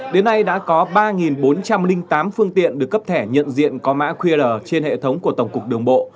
đến nay đã có ba bốn trăm linh tám phương tiện được cấp thẻ nhận diện có mã qr trên hệ thống của tổng cục đường bộ